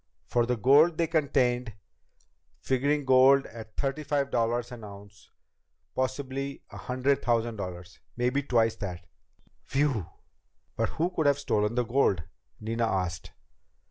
For the gold they contained, figuring gold at thirty five dollars an ounce, possibly a hundred thousand dollars. Maybe twice that." "Whew!" "But who could have stolen the gold?" Nina asked.